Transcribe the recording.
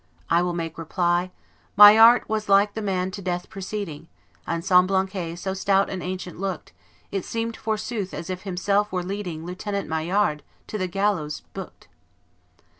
I will make reply: Maillart was like the man to death proceeding; And Semblancay so stout an ancient looked, It seemed, forsooth, as if himself were leading Lieutenant Maillard to the gallows booked!